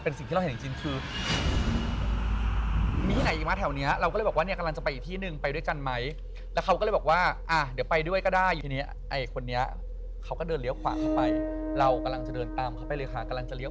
เพื่อที่จะดูหน้าว่าผู้หญิงหรือผู้ชาย